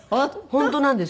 本当なんです。